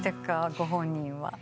ご本人は。